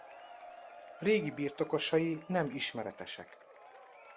Régi birtokosai nem ismeretesek.